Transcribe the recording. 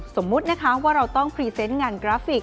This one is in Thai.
สมมุตินะคะว่าเราต้องพรีเซนต์งานกราฟิก